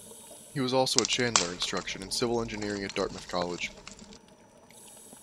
He was also a Chandler Instructor in civil engineering at Dartmouth College.